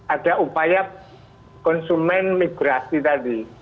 ada upaya konsumen migrasi tadi